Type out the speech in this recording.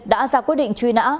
đã ra quyết định truy nã